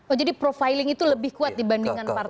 oh jadi profiling itu lebih kuat dibandingkan partai